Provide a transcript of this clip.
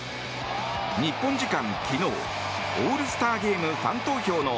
日本時間昨日オールスターゲームファン投票の